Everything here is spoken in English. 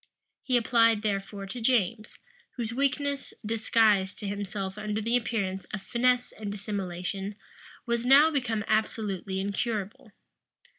He applied therefore to James, whose weakness, disguised to himself under the appearance of finesse and dissimulation, was now become absolutely incurable.